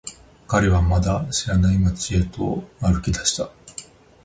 彼はまだ知らない街へと歩き出した。